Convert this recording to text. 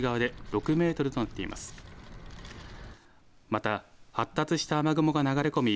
また発達した雨雲が流れ込み